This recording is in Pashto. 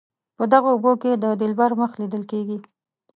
په دغو اوبو کې د دلبر مخ لیدل کیږي.